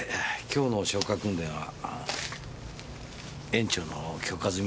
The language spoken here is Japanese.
今日の消火訓練は園長の許可済みですから。